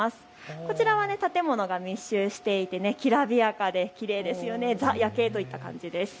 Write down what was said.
こちらは建物が密集しているきらびやかで、きれいで、ザ夜景といった感じです。